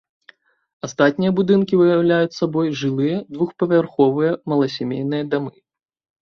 Астатнія будынкі ўяўляюць сабой жылыя двухпавярховыя маласямейныя дамы.